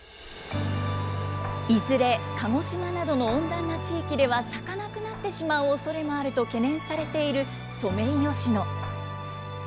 いずれ鹿児島などの温暖な地域では咲かなくなってしまうおそれもあると懸念されているソメイヨシノ。